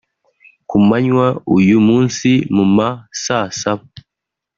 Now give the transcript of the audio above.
Ku manywa uyu munsi mu ma saa saba